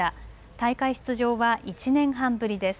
大会出場は１年半ぶりです。